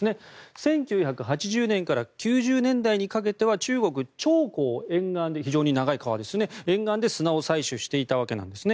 １９８０年から１９９０年代にかけては中国の長江沿岸の非常に長い川で、砂を採取していたわけなんですね。